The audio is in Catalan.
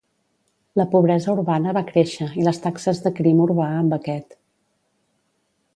La pobresa urbana va créixer i les taxes de crim urbà amb aquest.